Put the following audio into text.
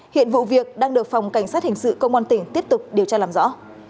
hiện vụ việc đang được phòng cảnh sát hình sự công an tỉnh tiếp tục điều tra làm rõ